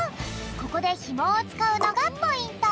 ここでひもをつかうのがポイント。